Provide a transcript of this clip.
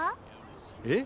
えっ！